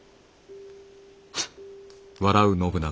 フッ。